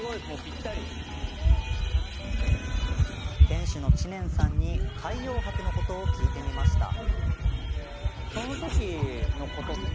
店主の知念さんに海洋博のことを聞いてみました。